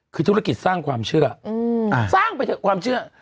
คือธุรกิจสร้างความเชื่อสร้างไปเถอะความเชื่อ